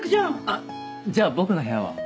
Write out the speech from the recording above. あっじゃあ僕の部屋は？